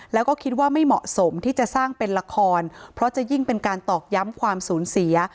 แล้วก็คิดว่าไม่เหมาะสมที่จะสร้างเป็นละครเพราะจะยิ่งเป็นการตอกย้ำความสูญเสีย